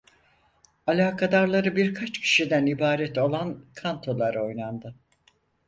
Alakadarları birkaç kişiden ibaret olan kantolar oynandı.